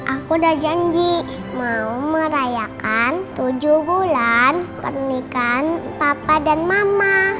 aku udah janji mau merayakan tujuh bulan pernikahan papa dan mama